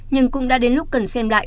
nhưng cũng đã đến lúc cần xem lại